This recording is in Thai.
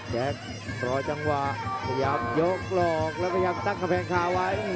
รอจังหวะพยายามยกหลอกแล้วพยายามตั้งกำแพงคาไว้